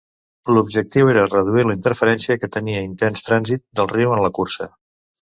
L'objectiu era reduir la interferència que tenia intens trànsit del riu en la cursa.